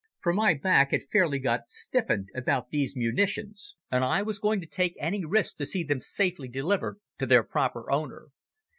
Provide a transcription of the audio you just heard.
For my back had fairly got stiffened about these munitions, and I was going to take any risk to see them safely delivered to their proper owner.